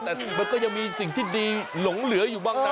แต่มันก็ยังมีสิ่งที่ดีหลงเหลืออยู่บ้างนะ